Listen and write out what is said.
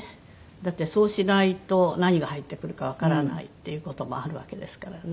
だってそうしないと何が入ってくるかわからないっていう事もあるわけですからね。